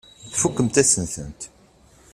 Tfakemt-asen-tent.